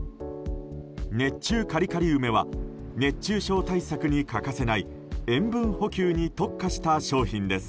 熱中カリカリ梅は熱中症対策に欠かせない塩分補給に特化した商品です。